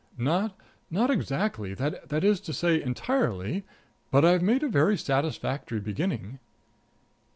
"Not not exactly that is to say, entirely; but I've made a very satisfactory beginning."